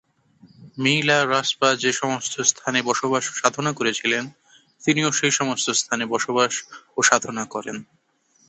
মি-লা-রাস-পা যে সমস্ত স্থানে বসবাস ও সাধনা করেছিলেন, তিনিও সেই সমস্ত স্থানে বসবাস ও সাধনা করেন।